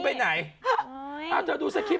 เมื่อกี้